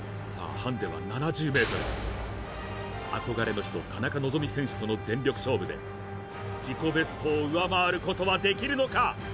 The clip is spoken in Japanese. ハンデは７０ｍ憧れの人田中希実選手との全力勝負で自己ベストを上回ることはできるのか？